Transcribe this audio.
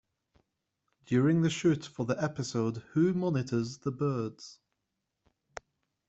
During the shoot for the episode Who Monitors the Birds?